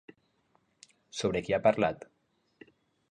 Sobre qui ha parlat?